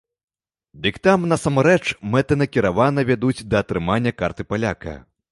Дык там насамрэч мэтанакіравана вядуць да атрымання карты паляка.